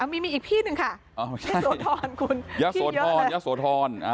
มีอีกพี่หนึ่งค่ะยักษ์โสธร